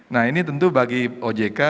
nah ini tentu bagi ojk